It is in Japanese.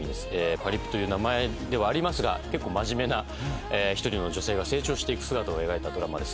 パリピという名前ではありますが結構真面目な一人の女性が成長していく姿を描いたドラマです。